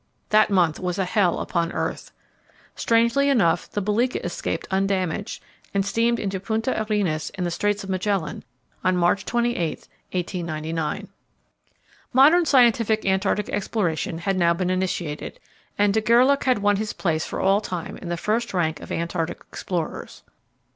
That month was a hell upon earth. Strangely enough, the Belgica escaped undamaged, and steamed into Punta Arenas in the Straits of Magellan on March 28, 1899. Modern scientific Antarctic exploration had now been initiated, and de Gerlache had won his place for all time in the first rank of Antarctic explorers.